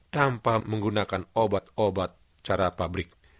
tanpa menggunakan obat obat cara pabrik